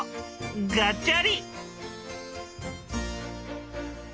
ガチャリ。